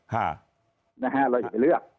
หน้าฮะเราอย่าไปเลือก